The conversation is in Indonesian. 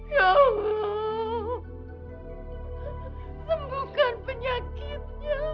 ya allah sembuhkan penyakitnya